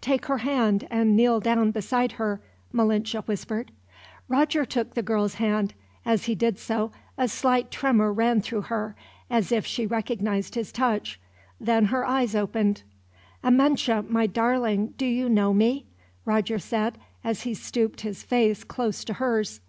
"Take her hand and kneel down beside her," Malinche whispered. Roger took the girl's hand. As he did so, a slight tremor ran through her, as if she recognized his touch. Then her eyes opened. "Amenche, my darling, do you know me?" Roger said, as he stooped his face close to hers.